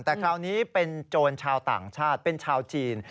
แต่คราวนี้เป็นโจรชาวต่างชาติเป็นชาวจีน